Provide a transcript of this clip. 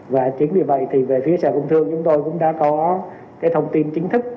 và chính vì vậy thì về phía sở công thương chúng tôi cũng đã có cái thông tin chính thức